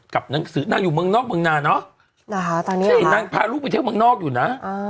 กับหนังสือนั่งอยู่เมืองนอกเมืองน่าเนอะอ่าตัวเนี้ยพาลูกไปเที่ยวเมืองนอกอยู่นะ